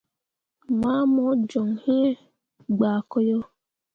Ma mu joŋ iŋ gbaako yo.